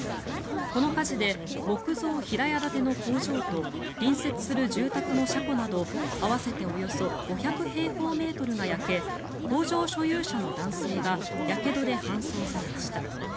この火事で木造平屋建ての工場と隣接する住宅の車庫など合わせておよそ５００平方メートルが焼け工場所有者の男性がやけどで搬送されました。